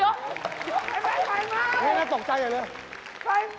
ไฟไหม้แล้วสิเร็ว